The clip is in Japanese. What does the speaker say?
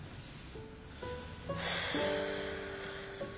ふう。